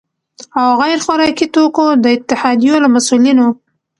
او غیر خوراکي توکو د اتحادیو له مسؤلینو،